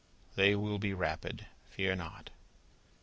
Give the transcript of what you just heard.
"They will be rapid. Fear not!"